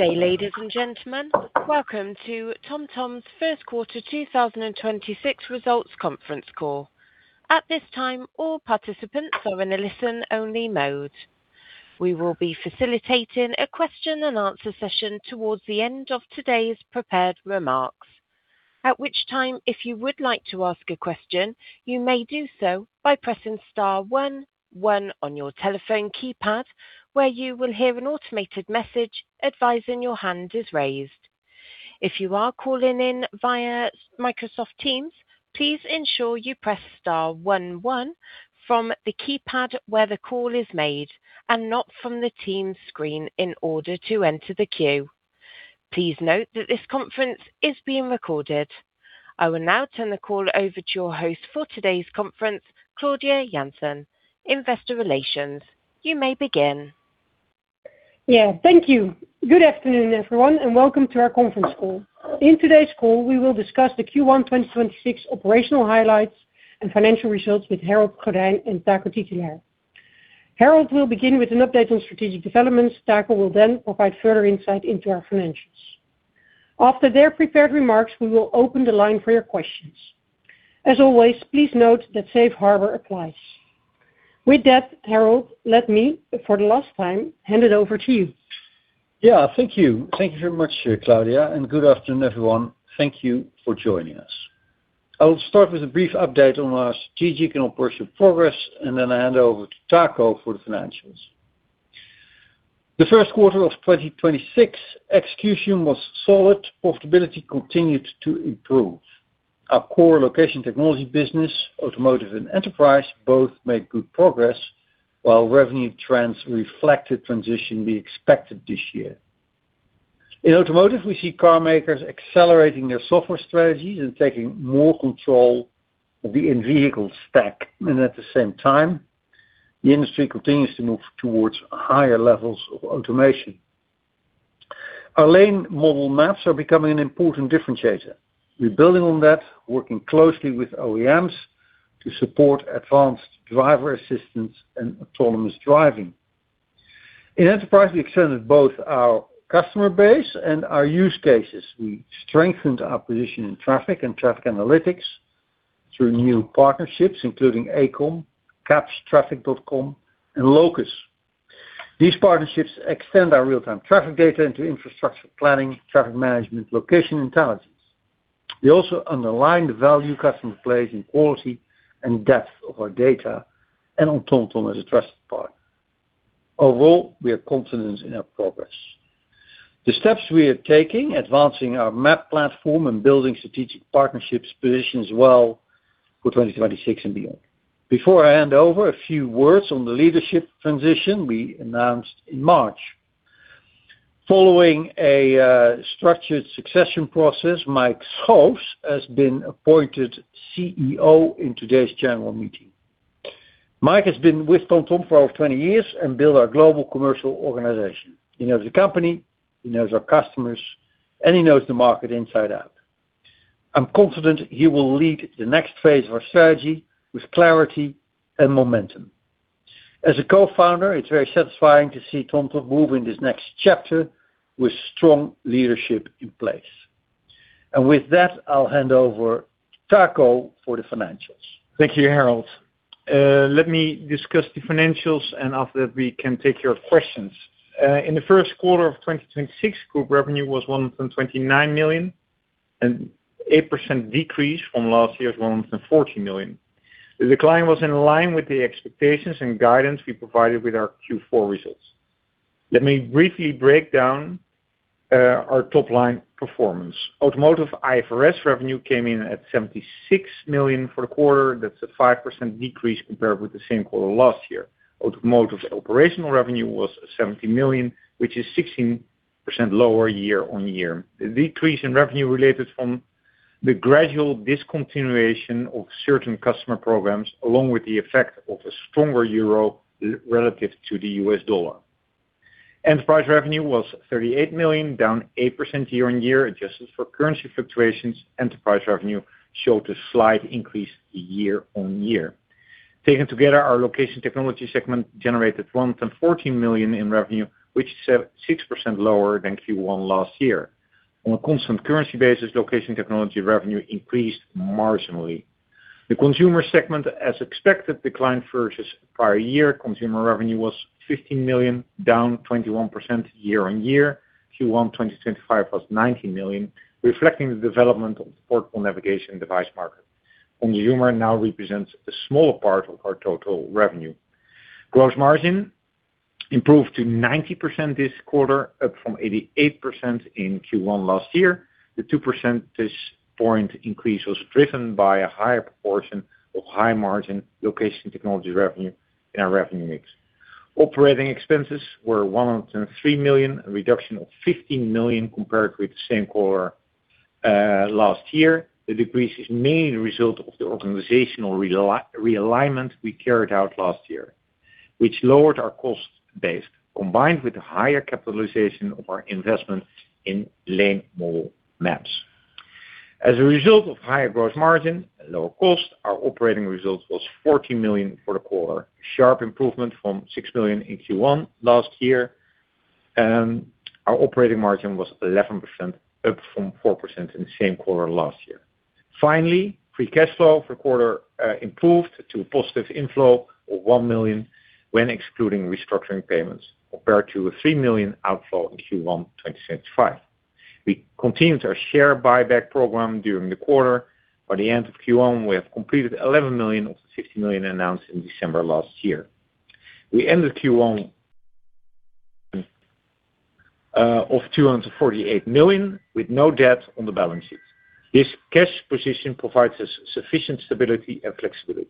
Good day, ladies, and gentlemen. Welcome to TomTom's first quarter 2026 results conference call. At this time, all participants are in a listen-only mode. We will be facilitating a question-and-answer session towards the end of today's prepared remarks. At which time, if you would like to ask a question, you may do so by pressing star one one on your telephone keypad, where you will hear an automated message advising your hand is raised. If you are calling in via Microsoft Teams, please ensure you press star one one from the keypad where the call is made and not from the Teams screen in order to enter the queue. Please note that this conference is being recorded. I will now turn the call over to your host for today's conference, Claudia Janssen, Investor Relations. You may begin. Yeah, thank you. Good afternoon, everyone, and welcome to our conference call. In today's call, we will discuss the Q1 2026 operational highlights and financial results with Harold Goddijn and Taco Titulaer. Harold will begin with an update on strategic developments. Taco will then provide further insight into our financials. After their prepared remarks, we will open the line for your questions. As always, please note that Safe Harbor applies. With that, Harold, let me, for the last time, hand it over to you. Yeah, thank you. Thank you very much, Claudia, and good afternoon, everyone. Thank you for joining us. I'll start with a brief update on our strategic and operational progress, and then I'll hand over to Taco for the financials. In the first quarter of 2026, execution was solid. Profitability continued to improve. Our core location technology business, automotive and enterprise, both made good progress, while revenue trends reflected the transition we expected this year. In automotive, we see car makers accelerating their software strategies and taking more control of the in-vehicle stack. At the same time, the industry continues to move towards higher levels of automation. Our Lane Model Maps are becoming an important differentiator. We're building on that, working closely with OEMs to support advanced driver assistance and autonomous driving. In enterprise, we extended both our customer base and our use cases. We strengthened our position in traffic and traffic analytics through new partnerships including AECOM, Kapsch TrafficCom and LOCUS. These partnerships extend our real-time traffic data into infrastructure planning, traffic management, location intelligence. They also underline the value customers place in quality and depth of our data and on TomTom as a trusted partner. Overall, we are confident in our progress. The steps we are taking, advancing our map platform and building strategic partnerships, positions well for 2026 and beyond. Before I hand over, a few words on the leadership transition we announced in March. Following a structured succession process, Mike Schoofs has been appointed CEO in today's general meeting. Mike has been with TomTom for over 20 years and built our global commercial organization. He knows the company, he knows our customers, and he knows the market inside out. I'm confident he will lead the next phase of our strategy with clarity and momentum. As a Co-Founder, it's very satisfying to see TomTom move in this next chapter with strong leadership in place. With that, I'll hand over to Taco for the financials. Thank you, Harold. Let me discuss the financials, and after that, we can take your questions. In the first quarter of 2026, group revenue was 129 million, an 8% decrease from last year's 140 million. The decline was in line with the expectations and guidance we provided with our Q4 results. Let me briefly break down our top line performance. Automotive IFRS revenue came in at 76 million for the quarter. That's a 5% decrease compared with the same quarter last year. Automotive operational revenue was 70 million, which is 16% lower year-on-year. The decrease in revenue resulted from the gradual discontinuation of certain customer programs, along with the effect of a stronger euro relative to the U.S. dollar. Enterprise revenue was 38 million, down 8% year-on-year. Adjusted for currency fluctuations, enterprise revenue showed a slight increase year-on-year. Taken together, our location technology segment generated 114 million in revenue, which is 6% lower than Q1 last year. On a constant currency basis, location technology revenue increased marginally. The consumer segment, as expected, declined versus prior year. Consumer revenue was 15 million, down 21% year-on-year. Q1 2025 was 19 million, reflecting the development of the portable navigation device market. Consumer now represents a small part of our total revenue. Gross margin improved to 90% this quarter, up from 88% in Q1 last year. The 2 percentage point increase was driven by a higher proportion of high-margin location technology revenue in our revenue mix. Operating expenses were 103 million, a reduction of 15 million compared with the same quarter last year. The decrease is mainly the result of the organizational realignment we carried out last year, which lowered our cost base, combined with the higher capitalization of our investment in Lane Model Maps. As a result of higher gross margin and lower cost, our operating result was 14 million for the quarter. Sharp improvement from 6 million in Q1 last year, and our operating margin was 11%, up from 4% in the same quarter last year. Finally, free cash flow for quarter improved to positive inflow of 1 million when excluding restructuring payments, compared to a 3 million outflow in Q1 2025. We continued our share buyback program during the quarter. By the end of Q1, we have completed 11 million of the 50 million announced in December last year. We ended Q1 [inaudible] of 248 million with no debt on the balance sheet. This cash position provides us sufficient stability and flexibility.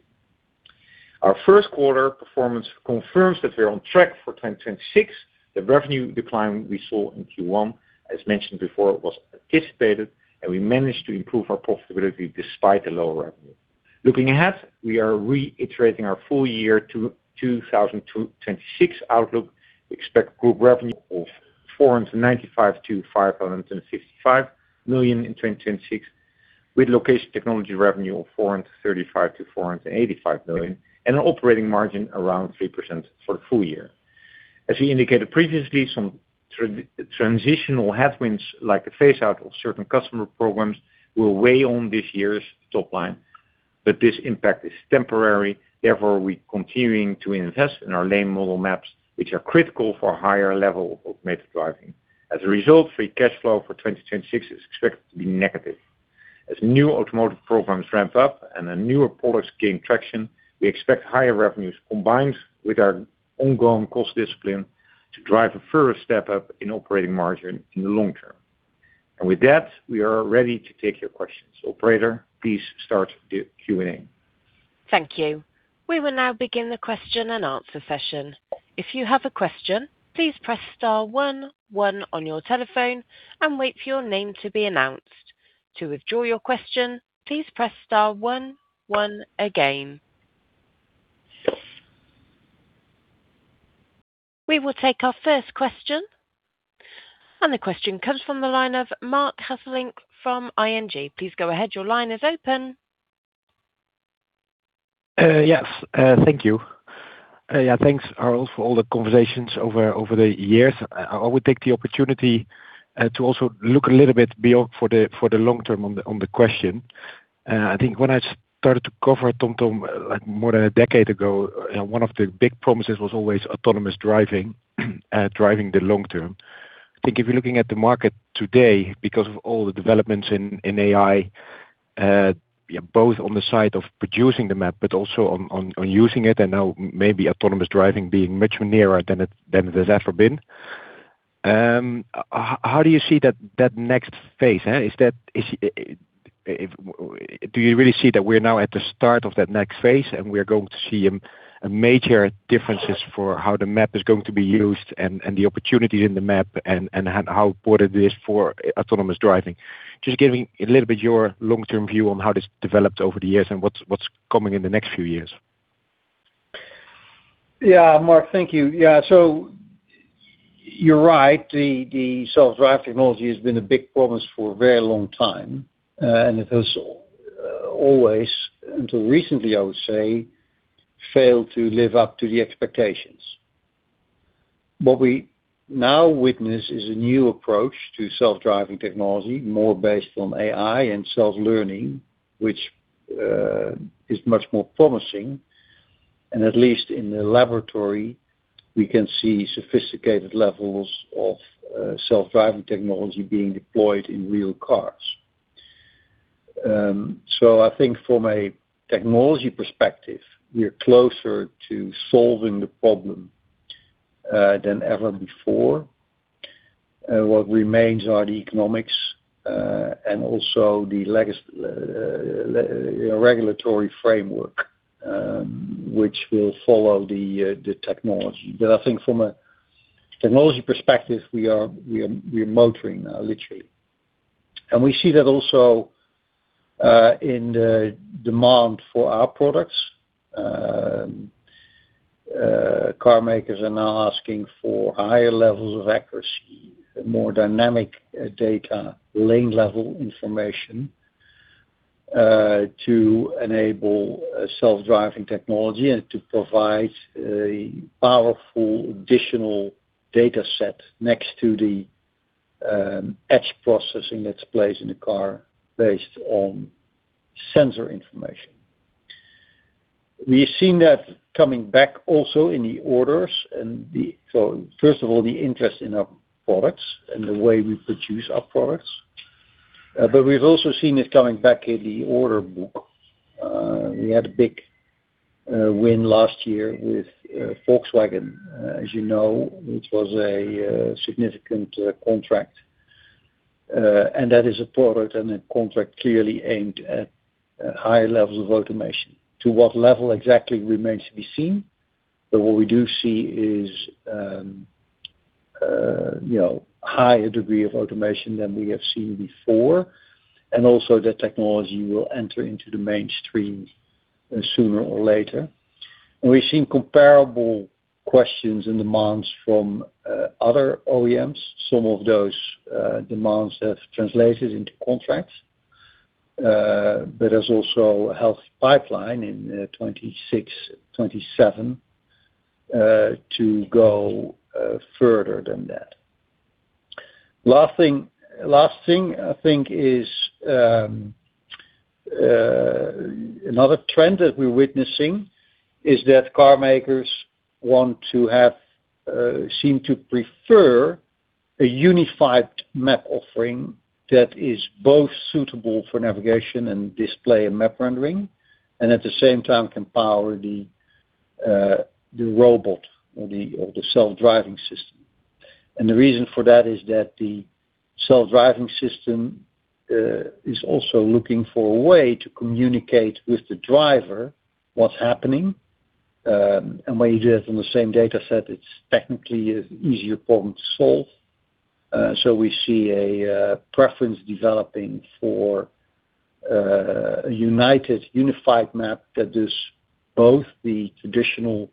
Our first quarter performance confirms that we're on track for 2026. The revenue decline we saw in Q1, as mentioned before, was anticipated, and we managed to improve our profitability despite the lower revenue. Looking ahead, we are reiterating our full year 2026 outlook. We expect group revenue of 495 million-555 million in 2026, with location technology revenue of 435 million-485 million, and an operating margin around 3% for the full year. As we indicated previously, some transitional headwinds, like the phase out of certain customer programs, will weigh on this year's top line, but this impact is temporary. Therefore, we're continuing to invest in our Lane Model Maps, which are critical for higher level of automated driving. As a result, free cash flow for 2026 is expected to be negative. As new automotive programs ramp up and the newer products gain traction, we expect higher revenues combined with our ongoing cost discipline to drive a further step up in operating margin in the long term. With that, we are ready to take your questions. Operator, please start the Q&A. Thank you. We will now begin the question-and-answer session. If you have a question, please press star one one on your telephone and wait for your name to be announced. To withdraw your question, please press star one one again. We will take our first question. The question comes from the line of Marc Hesselink from ING. Please go ahead. Your line is open. Yes, thank you. Yeah, thanks, Harold, for all the conversations over the years. I would take the opportunity to also look a little bit beyond for the long term on the question. I think when I started to cover TomTom more than a decade ago, one of the big promises was always autonomous driving the long term. I think if you're looking at the market today, because of all the developments in AI, both on the side of producing the map, but also on using it, and now maybe autonomous driving being much nearer than it has ever been. How do you see that next phase? Do you really see that we're now at the start of that next phase, and we are going to see major differences for how the map is going to be used and the opportunities in the map and how important it is for autonomous driving? Just give me a little bit your long-term view on how this developed over the years and what's coming in the next few years. Yeah, Marc, thank you. You're right. The self-driving technology has been a big promise for a very long time, and it has always, until recently I would say, failed to live up to the expectations. What we now witness is a new approach to self-driving technology, more based on AI and self-learning, which is much more promising, and at least in the laboratory, we can see sophisticated levels of self-driving technology being deployed in real cars. I think from a technology perspective, we are closer to solving the problem than ever before. What remains are the economics, and also the regulatory framework, which will follow the technology. I think from a technology perspective, we are motoring now, literally. We see that also in the demand for our products. Car makers are now asking for higher levels of accuracy, more dynamic data, lane level information, to enable self-driving technology and to provide a powerful additional data set next to the edge processing that takes place in the car based on sensor information. We've seen that coming back also in the orders. First of all, the interest in our products and the way we produce our products. We've also seen it coming back in the order book. We had a big win last year with Volkswagen, as you know, which was a significant contract. That is a product and a contract clearly aimed at higher levels of automation. To what level exactly remains to be seen. What we do see is a higher degree of automation than we have seen before, and also that technology will enter into the mainstream sooner or later. We've seen comparable questions and demands from other OEMs. Some of those demands have translated into contracts, but there's also a healthy pipeline in 2026, 2027 to go further than that. Last thing, I think is another trend that we're witnessing is that car makers seem to prefer a unified map offering that is both suitable for navigation and display and map rendering, and at the same time can power the robot or the self-driving system. The reason for that is that the self-driving system is also looking for a way to communicate with the driver what's happening. When you do that from the same data set, it's technically an easier problem to solve. We see a preference developing for a united, unified map that does both the traditional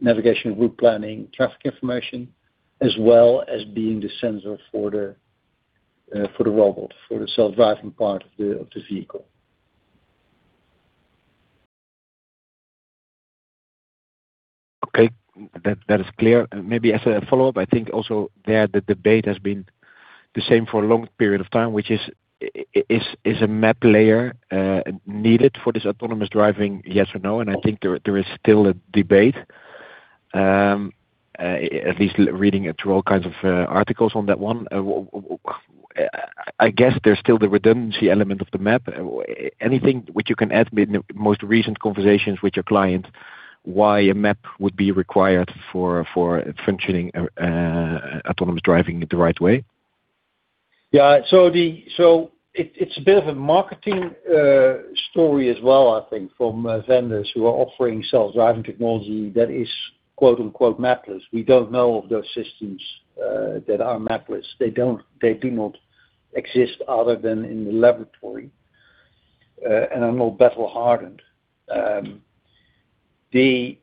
navigation, route planning, traffic information as well as being the sensor for the robot, for the self-driving part of the vehicle. Okay. That is clear. Maybe as a follow-up, I think also there the debate has been the same for a long period of time, which is a map layer needed for this autonomous driving? Yes or no? I think there is still a debate, at least reading through all kinds of articles on that one. I guess there's still the redundancy element of the map. Anything which you can add in the most recent conversations with your client, why a map would be required for functioning autonomous driving the right way? Yeah. It's a bit of a marketing story as well, I think from vendors who are offering self-driving technology that is "mapless." We don't know of those systems that are mapless. They do not exist other than in the laboratory, and are more battle hardened. I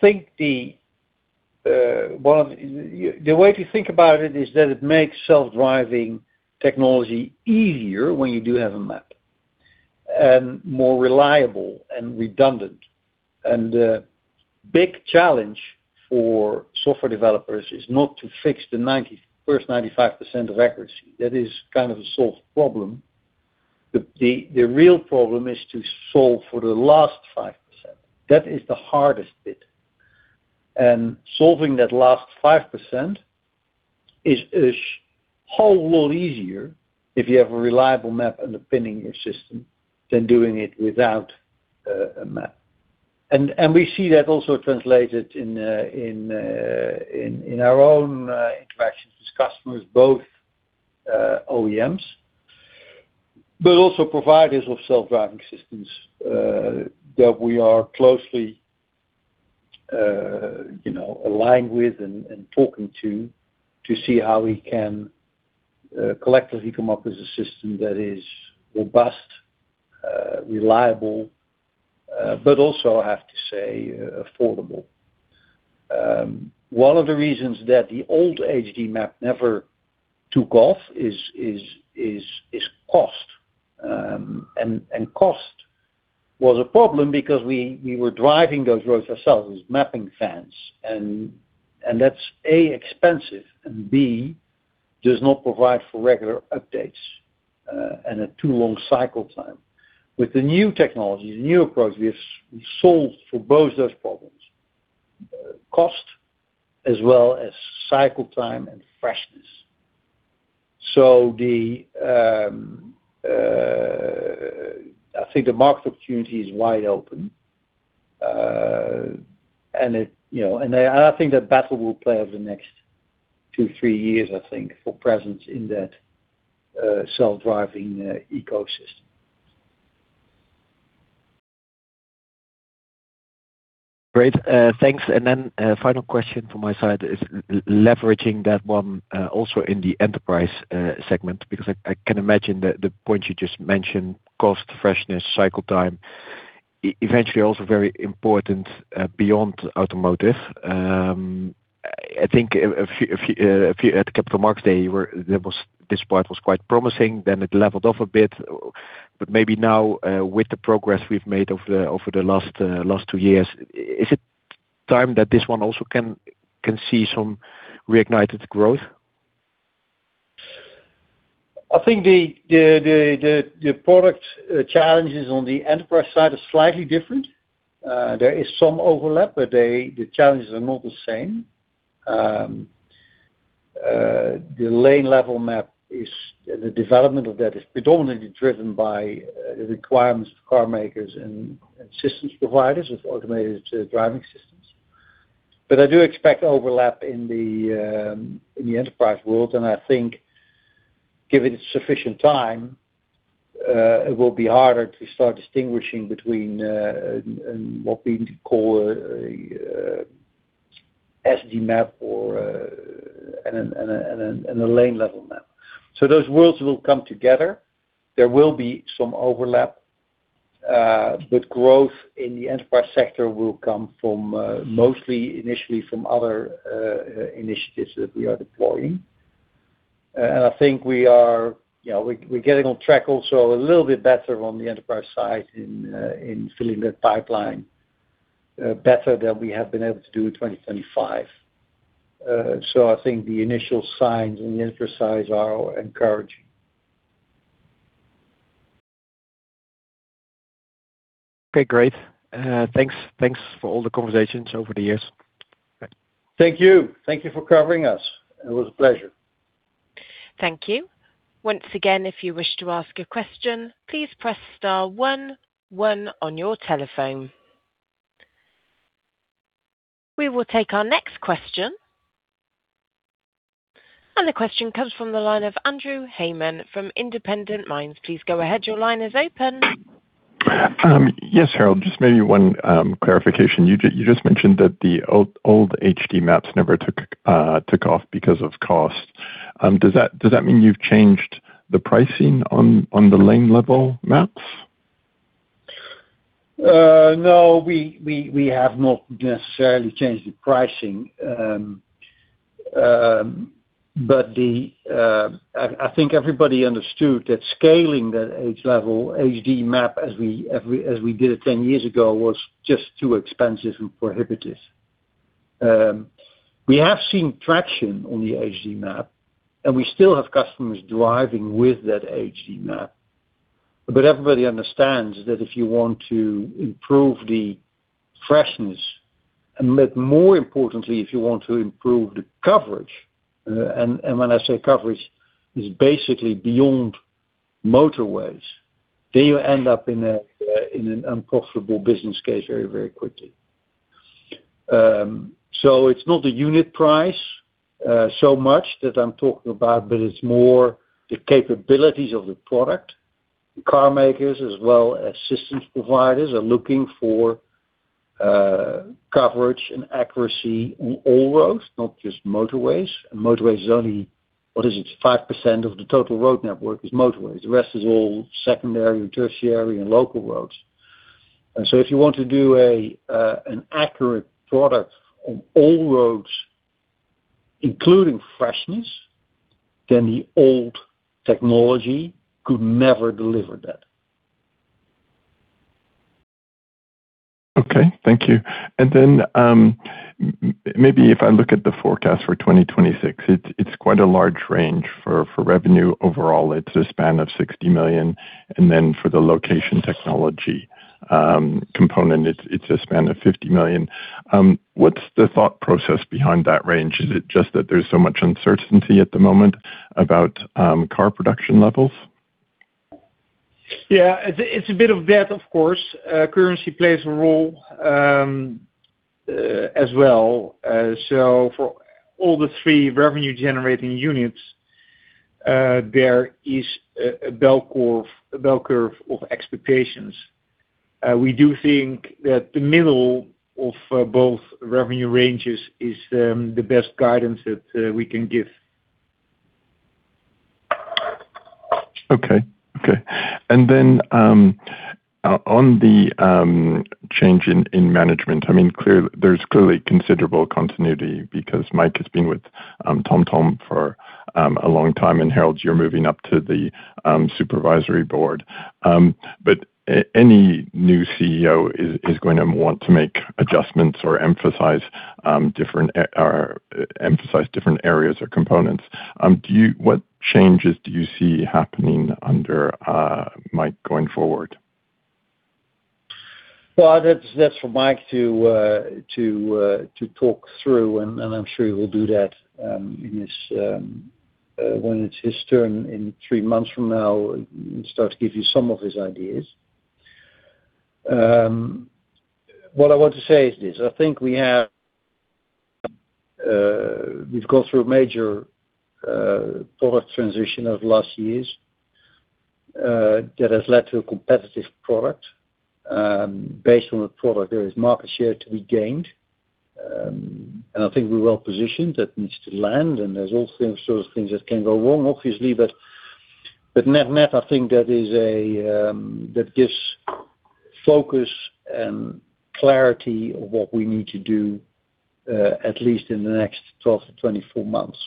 think the way to think about it is that it makes self-driving technology easier when you do have a map, and more reliable and redundant. The big challenge for software developers is not to fix the first 95% of accuracy. That is kind of a solved problem. The real problem is to solve for the last 5%. That is the hardest bit. Solving that last 5% is a whole lot easier if you have a reliable map underpinning your system than doing it without a map. We see that also translated in our own interactions with customers, both OEMs, but also providers of self-driving systems that we are closely aligned with and talking to see how we can collectively come up with a system that is robust, reliable but also, I have to say, affordable. One of the reasons that the old HD Map never took off is cost. Cost was a problem because we were driving those roads ourselves, these mapping vans, and that's, A, expensive, and B, does not provide for regular updates and a too-long cycle time. With the new technologies, the new approach, we have solved for both those problems, cost as well as cycle time and freshness. I think the market opportunity is wide open. I think that battle will play over the next two, three years, I think, for presence in that self-driving ecosystem. Great. Thanks. Final question from my side is leveraging that one also in the enterprise segment, because I can imagine that the points you just mentioned, cost, freshness, cycle time, eventually also very important beyond automotive. I think at Capital Markets Day, this part was quite promising, then it leveled off a bit. Maybe now with the progress we've made over the last two years, is it time that this one also can see some reignited growth? I think the product challenges on the enterprise side are slightly different. There is some overlap, but the challenges are not the same. The lane level map, the development of that is predominantly driven by the requirements of car makers and systems providers of automated driving systems. I do expect overlap in the enterprise world, and I think given sufficient time it will be harder to start distinguishing between what we need to call ADAS Map and a lane level map. Those worlds will come together. There will be some overlap, but growth in the enterprise sector will come from mostly initially from other initiatives that we are deploying. I think we're getting on track also a little bit better on the enterprise side in filling that pipeline better than we have been able to do in 2025. I think the initial signs in the enterprise side are encouraging. Okay, great. Thanks for all the conversations over the years. Thank you. Thank you for covering us. It was a pleasure. Thank you. Once again, if you wish to ask a question, please press star one on your telephone. We will take our next question. The question comes from the line of Andrew Hayman from Independent Minds. Please go ahead. Your line is open. Yes, Harold, just maybe one clarification. You just mentioned that the old HD Maps never took off because of cost. Does that mean you've changed the pricing on the lane level maps? No, we have not necessarily changed the pricing. I think everybody understood that scaling that HD Map as we did it 10 years ago was just too expensive and prohibitive. We have seen traction on the HD Map, and we still have customers driving with that HD Map. Everybody understands that if you want to improve the freshness, and more importantly, if you want to improve the coverage, and when I say coverage, is basically beyond motorways, then you end up in an unprofitable business case very, very quickly. It's not a unit price so much that I'm talking about, but it's more the capabilities of the product. The car makers as well as systems providers are looking for coverage and accuracy on all roads, not just motorways. Motorways is only, what is it? 5% of the total road network is motorways. The rest is all secondary and tertiary and local roads. If you want to do an accurate product on all roads, including freshness, then the old technology could never deliver that. Okay, thank you. Maybe if I look at the forecast for 2026, it's quite a large range for revenue. Overall, it's a span of 60 million. For the location technology component, it's a span of 50 million. What's the thought process behind that range? Is it just that there's so much uncertainty at the moment about car production levels? Yeah, it's a bit of that, of course. Currency plays a role as well. For all the three revenue-generating units, there is a bell curve of expectations. We do think that the middle of both revenue ranges is the best guidance that we can give. Okay. On the change in management, there's clearly considerable continuity because Mike has been with TomTom for a long time, and Harold, you're moving up to the supervisory board. Any new CEO is going to want to make adjustments or emphasize different areas or components. What changes do you see happening under Mike going forward? Well, that's for Mike to talk through, and I'm sure he will do that when it's his turn in three months from now, he'll start to give you some of his ideas. What I want to say is this, I think we've gone through a major product transition over the last years, that has led to a competitive product. Based on the product, there is market share to be gained. I think we're well-positioned. That needs to land, and there's all sorts of things that can go wrong, obviously. Net-net, I think that gives focus and clarity of what we need to do, at least in the next 12-24 months.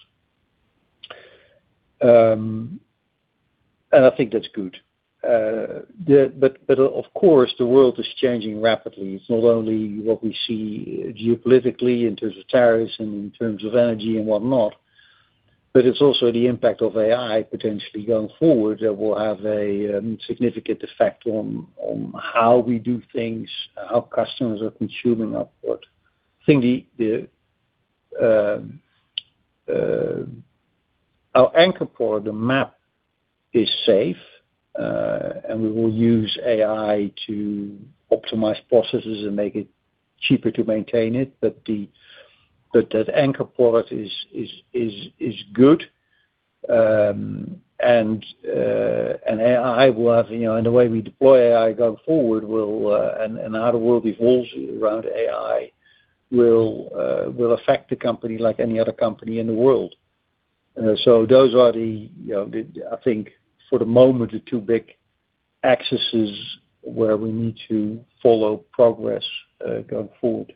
I think that's good. Of course, the world is changing rapidly. It's not only what we see geopolitically in terms of tariffs and in terms of energy and whatnot, but it's also the impact of AI potentially going forward that will have a significant effect on how we do things, how customers are consuming our product. I think our anchor product, the map, is safe, and we will use AI to optimize processes and make it cheaper to maintain it. That anchor product is good. AI will have, and the way we deploy AI going forward will, and how the world evolves around AI will affect the company like any other company in the world. Those are the, I think for the moment, the two big aspects where we need to follow progress, going forward.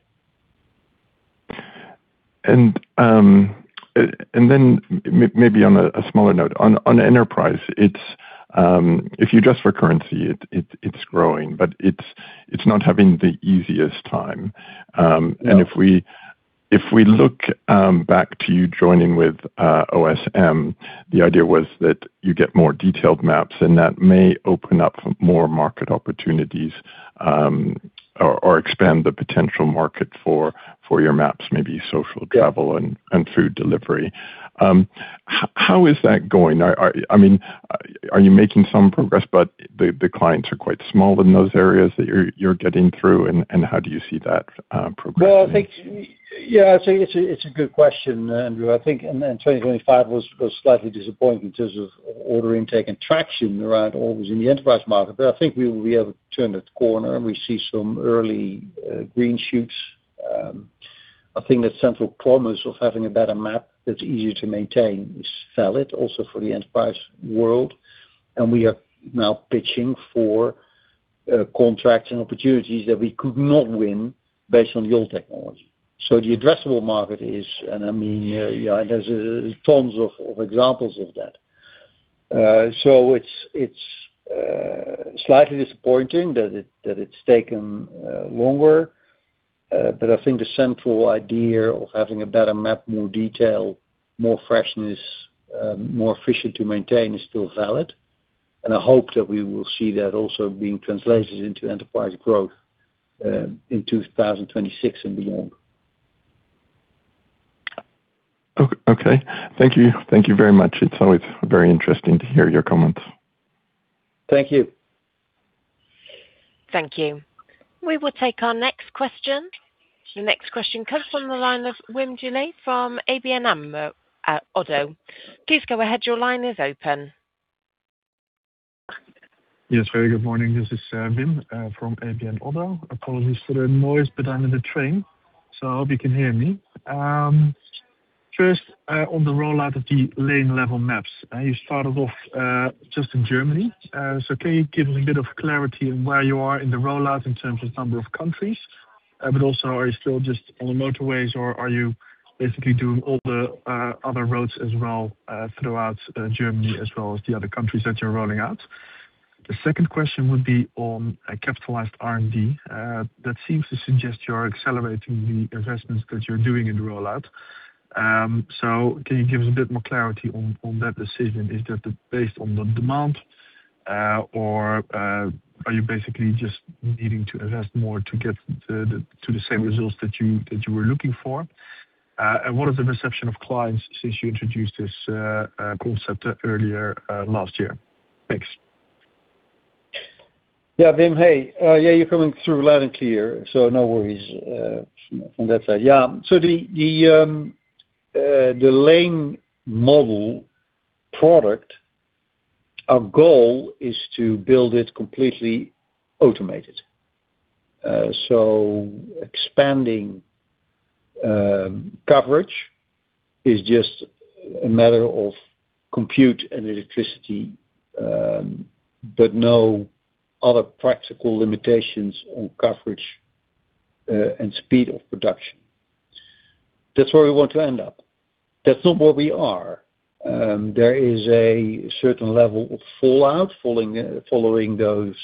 Maybe on a smaller note. On enterprise, if you adjust for currency, it's growing, but it's not having the easiest time. No. If we look back to you joining with OSM, the idea was that you get more detailed maps and that may open up more market opportunities, or expand the potential market for your maps, maybe social. Yeah Travel and food delivery. How is that going? Are you making some progress, but the clients are quite small in those areas that you're getting through, and how do you see that progressing? Well, I think, yeah, it's a good question, Andrew. I think, and 2025 was slightly disappointing in terms of order intake and traction around orders in the enterprise market. I think we have turned a corner, and we see some early green shoots. I think the central promise of having a better map that's easier to maintain is valid also for the enterprise world. We are now pitching for contract and opportunities that we could not win based on the old technology. The addressable market is and there's tons of examples of that. It's slightly disappointing that it's taken longer. I think the central idea of having a better map, more detail, more freshness, more efficient to maintain is still valid. I hope that we will see that also being translated into enterprise growth, in 2026 and beyond. Okay. Thank you. Thank you very much. It's always very interesting to hear your comments. Thank you. Thank you. We will take our next question. The next question comes from the line of Wim Gille from ABN AMRO - ODDO BHF. Please go ahead. Your line is open. Yes, very good morning. This is Wim, from ABN AMRO - ODDO BHF. Apologies for the noise, but I'm in the train, so I hope you can hear me. First, on the rollout of the lane level maps. You started off, just in Germany. Can you give me a bit of clarity on where you are in the rollout in terms of number of countries? Also, are you still just on the motorways or are you basically doing all the other roads as well, throughout Germany as well as the other countries that you're rolling out? The second question would be on capitalized R&D. That seems to suggest you are accelerating the investments that you're doing in the rollout. Can you give us a bit more clarity on that decision? Is that based on the demand, or are you basically just needing to invest more to get to the same results that you were looking for? What is the reception of clients since you introduced this concept earlier last year? Thanks. Yeah, Wim, hey. Yeah, you're coming through loud and clear, so no worries, from that side. Yeah. The Lane Model product, our goal is to build it completely automated. Expanding coverage is just a matter of compute and electricity, but no other practical limitations on coverage, and speed of production. That's where we want to end up. That's not where we are. There is a certain level of fallout following those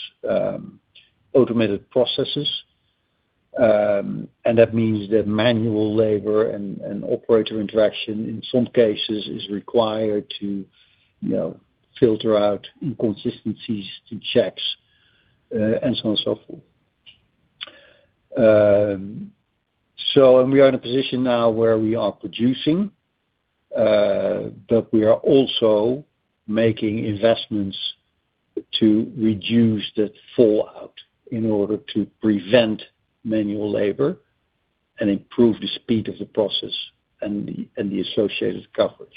automated processes. That means that manual labor and operator interaction in some cases is required to filter out inconsistencies, do checks, and so on and so forth. We are in a position now where we are producing, but we are also making investments to reduce that fallout in order to prevent manual labor and improve the speed of the process and the associated coverage.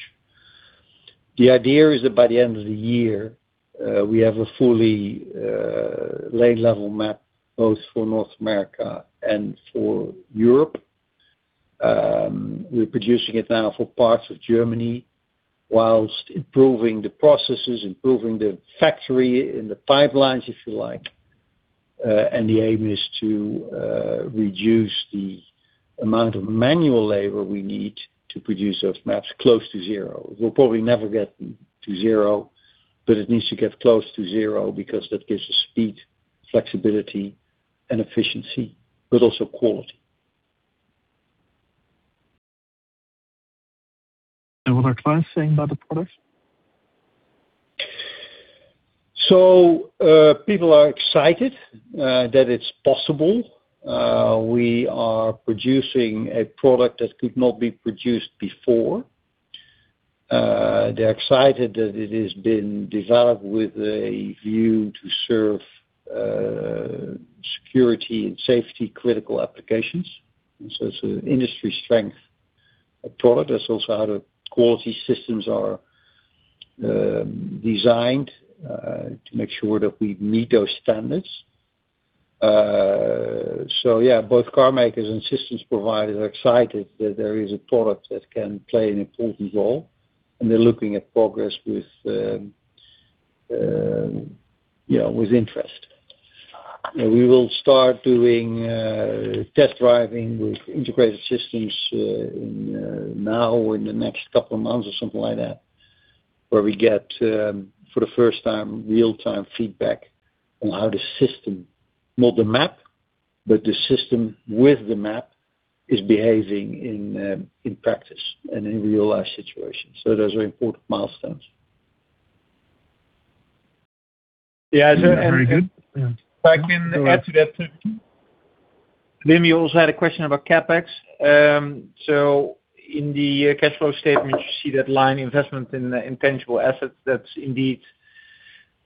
The idea is that by the end of the year, we have a fully lane level map, both for North America and for Europe. We're producing it now for parts of Germany while improving the processes, improving the factory and the pipelines, if you like. The aim is to reduce the amount of manual labor we need to produce those maps close to zero. We'll probably never get to zero, but it needs to get close to zero because that gives us speed, flexibility and efficiency, but also quality. What are clients saying about the product? People are excited that it's possible. We are producing a product that could not be produced before. They're excited that it has been developed with a view to serve security and safety-critical applications. It's an industry-strength product. That's also how the quality systems are designed, to make sure that we meet those standards. Yeah, both car makers and systems providers are excited that there is a product that can play an important role, and they're looking at progress with interest. We will start doing test driving with integrated systems now or in the next couple of months or something like that, where we get, for the first time, real-time feedback on how the system, not the map, but the system with the map, is behaving in practice and in real-life situations. Those are important milestones. Yeah. Very good. Yeah. I can add to that, Wim. You also had a question about CapEx. In the cash flow statement, you see that line investment in intangible assets. That's indeed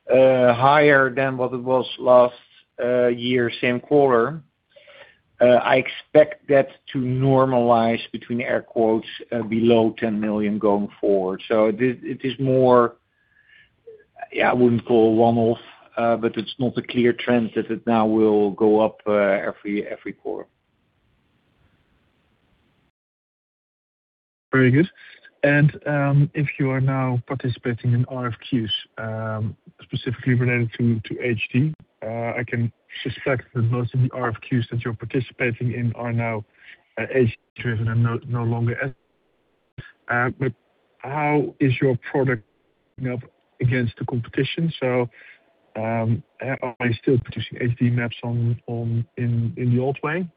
higher than what it was last year, same quarter. I expect that to normalize, in air quotes, below 10 million going forward. It is more. I wouldn't call a one-off, but it's not a clear trend that it now will go up every quarter. Very good. If you are now participating in RFQs, specifically related to HD, I can suspect that most of the RFQs that you're participating in are now HD driven and no longer. How is your product up against the competition? Are you still producing HD Maps in the old way?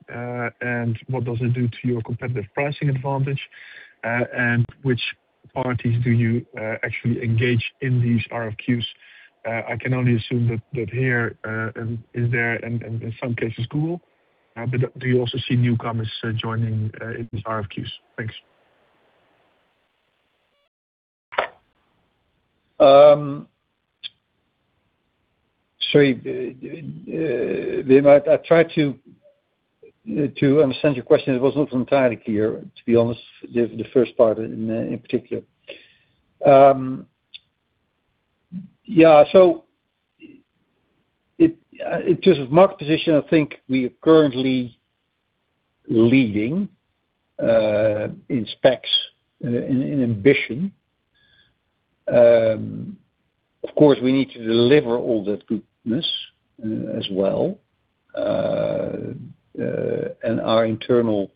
What does it do to your competitive pricing advantage? Which parties do you actually engage in these RFQs? I can only assume that there is, in some cases, Google, but do you also see newcomers joining in these RFQs? Thanks. Sorry, Wim, I tried to understand your question. It was not entirely clear, to be honest, the first part in particular. Yeah. In terms of market position, I think we are currently leading, in specs, in ambition. Of course, we need to deliver all that goodness as well. Our internal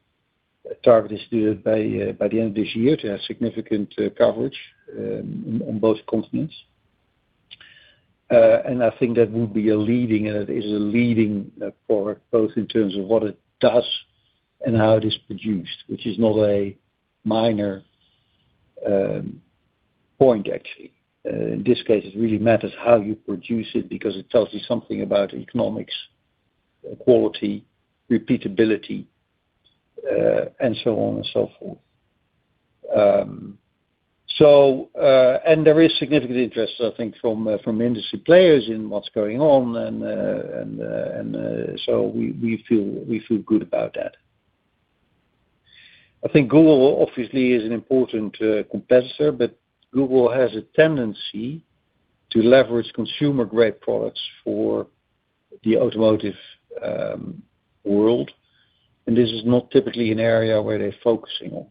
target is still by the end of this year to have significant coverage on both continents. I think that would be a leading, and it is a leading product, both in terms of what it does and how it is produced, which is not a minor point, actually. In this case, it really matters how you produce it because it tells you something about economics, quality, repeatability, and so on and so forth. There is significant interest, I think, from industry players in what's going on, and so we feel good about that. I think Google obviously is an important competitor, but Google has a tendency to leverage consumer-grade products for the automotive world. This is not typically an area where they're focusing on.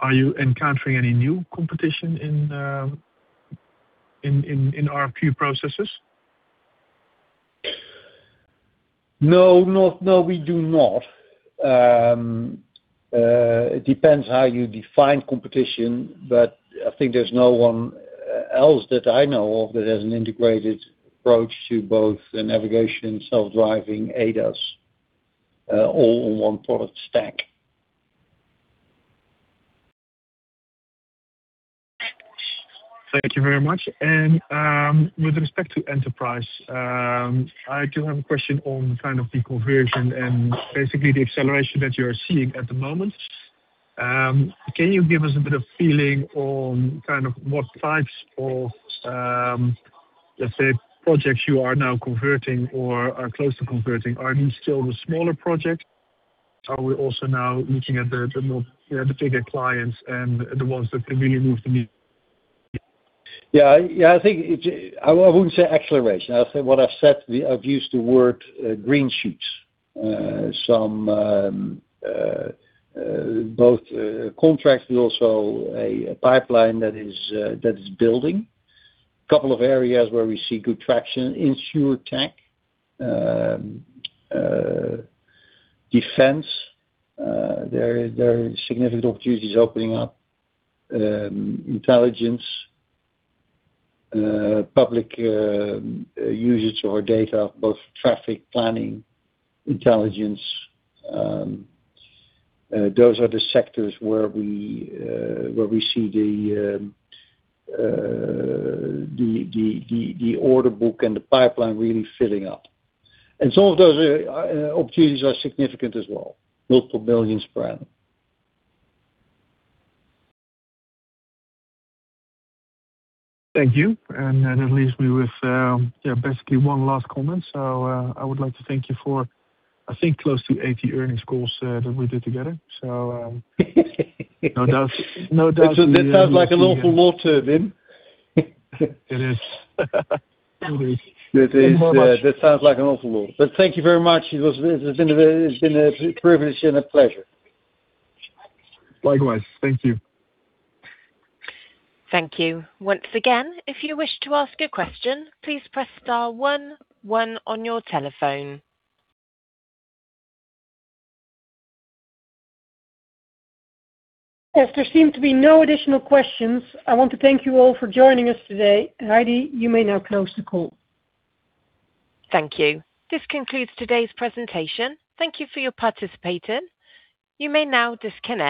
Are you encountering any new competition in RFQ processes? No, we do not. It depends how you define competition, but I think there's no one else that I know of that has an integrated approach to both the navigation, self-driving, ADAS, all in one product stack. Thank you very much. With respect to enterprise, I do have a question on kind of the conversion and basically the acceleration that you're seeing at the moment. Can you give us a bit of feeling on kind of what types of, let's say, projects you are now converting or are close to converting? Are these still the smaller projects? Are we also now looking at the bigger clients and the ones that can really move the needle? Yeah. I wouldn't say acceleration. I'll say what I've said. I've used the word green shoots. Both contracts and also a pipeline that is building. A couple of areas where we see good traction in InsurTech. Defense, there are significant opportunities opening up. Intelligence, public usage of our data, both traffic planning, intelligence, those are the sectors where we see the order book and the pipeline really filling up. Some of those opportunities are significant as well, multiple billions per annum. Thank you. That leaves me with basically one last comment. I would like to thank you for I think close to 80 earnings calls that we did together. No doubt we will meet again. That sounds like a law firm, Wim. It is. It is. That sounds like a law firm. Thank you very much. It's been a privilege and a pleasure. Likewise. Thank you. Thank you. Once again, if you wish to ask a question, please press star one one on your telephone. As there seem to be no additional questions, I want to thank you all for joining us today. Heidi, you may now close the call. Thank you. This concludes today's presentation. Thank you for your participation. You may now disconnect.